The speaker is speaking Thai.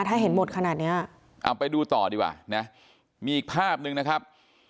ถ้าเห็นหมดขนาดเนี้ยเอาไปดูต่อดีกว่านะมีอีกภาพหนึ่งนะครับ